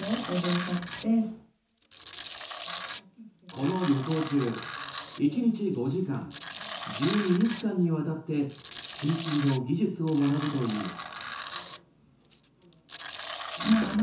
この旅行中、１日５時間１２日間にわたって金継ぎの技術を学ぶといいます。